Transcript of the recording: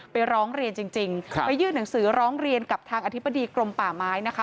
ร้องเรียนจริงไปยื่นหนังสือร้องเรียนกับทางอธิบดีกรมป่าไม้นะคะ